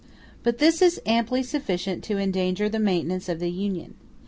But this is amply sufficient to endanger the maintenance of the Union.